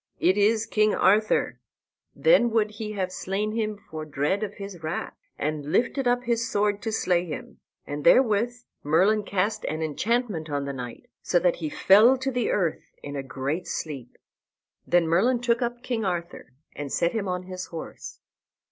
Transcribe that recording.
"It is King Arthur." Then would he have slain him for dread of his wrath, and lifted up his sword to slay him; and therewith Merlin cast an enchantment on the knight, so that he fell to the earth in a great sleep. Then Merlin took up King Arthur, and set him on his horse.